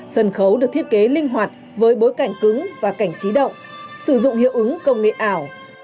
sân khấu được thiết kế linh hoạt với bối cảnh cứng và cảnh trí động sử dụng hiệu ứng công nghệ ảo